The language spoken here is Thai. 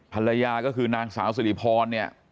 ภรรยาก็คือนางสาวสิริพรเนี่ย